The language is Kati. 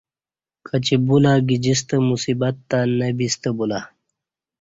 کچی بولہ گجستہ مصیبت نہ بیستہ بولہ